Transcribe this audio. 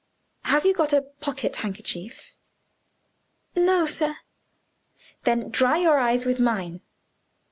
"Have you got a pocket handkerchief?" "No, sir." "Then dry your eyes with mine."